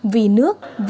vì nước vì dân phục vụ